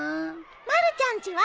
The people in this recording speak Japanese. まるちゃんちは？